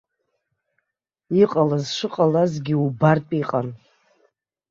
Иҟалаз шыҟалазгьы убартә иҟан.